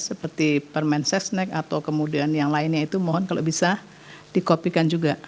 seperti permen sesnek atau kemudian yang lainnya itu mohon kalau bisa dikopikan juga